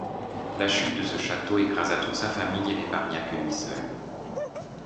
La chute de ce château écrasa toute sa famille et n'épargna que lui seul.